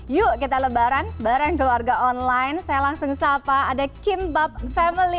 yuk kita lebaran bareng keluarga online saya langsung sapa ada kimbab family